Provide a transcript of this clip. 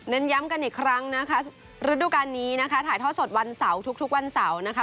ย้ำกันอีกครั้งนะคะฤดูการนี้นะคะถ่ายทอดสดวันเสาร์ทุกวันเสาร์นะคะ